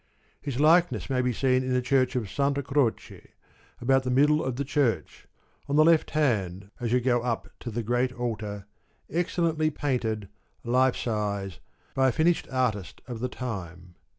His likeness may be seen in the church of Santa Croce, about the middle of the church, on the left hand as you go up to the great altar, excellently painted, life size, by a finished artist of the time.